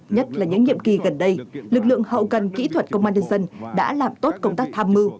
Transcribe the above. nhất là những nhiệm kỳ gần đây lực lượng hậu cần kỹ thuật công an nhân dân đã làm tốt công tác tham mưu